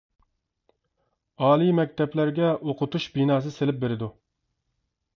ئالىي مەكتەپلەرگە ئوقۇتۇش بىناسى سېلىپ بېرىدۇ.